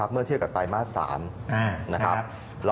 เมื่อเทียบกับไตรมาส๓นะครับ